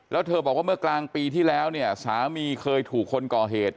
แล้วเธอบอกว่าเมื่อกลางปีที่แล้วเนี่ยสามีเคยถูกคนก่อเหตุ